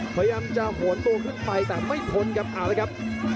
พยายามจะโหนตัวขึ้นไปแต่ไม่ทนครับเอาละครับ